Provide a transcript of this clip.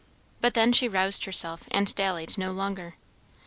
But then she roused herself and dallied no longer.